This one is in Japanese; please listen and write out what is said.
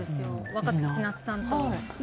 若槻千夏さんと。